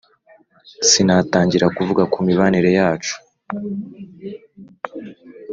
Sinatangira kuvuga ku mibanire yacu